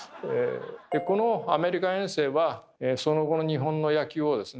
このアメリカ遠征はその後の日本の野球をですね